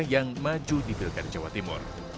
yang maju di pilkada jawa timur